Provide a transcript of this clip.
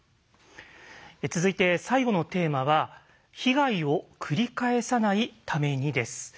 続いて最後のテーマは「被害を繰り返さないために」です。